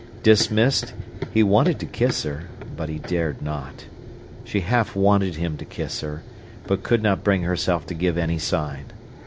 Dismissed, he wanted to kiss her, but he dared not. She half wanted him to kiss her, but could not bring herself to give any sign.